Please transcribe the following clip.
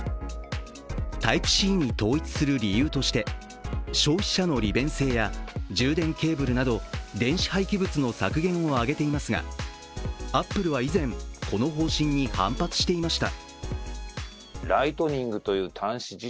Ｔｙｐｅ−Ｃに統一する理由として消費者の利便性や充電ケーブルなど電子廃棄物の削減を挙げていますがアップルは以前、この方針に反発していました。